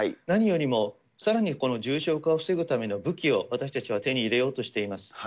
何よりもさらにこの重症化を防ぐための武器を私たちは手に入れようとしています。